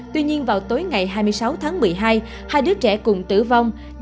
tuy nhiên vào tối ngày hai mươi sáu tháng một mươi hai hai đứa trẻ cùng tử vong